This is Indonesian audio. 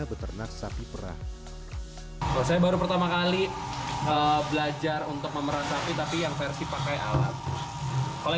beternak sapi perah saya baru pertama kali belajar untuk memeran sapi tapi yang versi pakai alat kalau